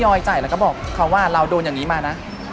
อยจ่ายแล้วก็บอกเขาว่าเราโดนอย่างนี้มานะ